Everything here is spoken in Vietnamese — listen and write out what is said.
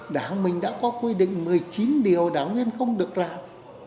đảng mình đã có quy định một mươi chín điều đảng viên không được làm